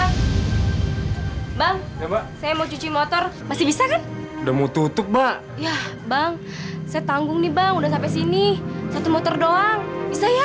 hai bang saya mau cuci motor masih bisa kan udah mau tutup mbak ya bang saya tanggung nih bang udah sampai sini satu motor doang bisa ya